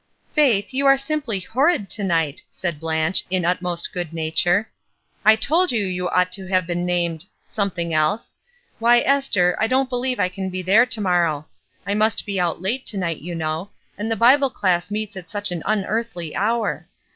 "Faith, you are simply horrid to night," said Blanche, in utmost good nature. "I told you you ought to have been named — something else. Why, Esther, I don't beheve I can be there to morrow. I must be out late to night, you know, and the Bible class meets at such an unearthly hour.